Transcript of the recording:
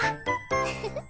フフフッ。